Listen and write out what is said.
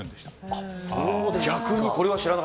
あっ、そうですか。